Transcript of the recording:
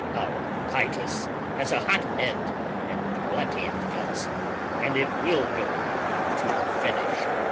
Our Titus has a hot head and plenty of guts and it will go to a finish.